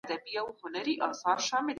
جعلي اسناد له مسکو څخه ورلېږل شوي وو.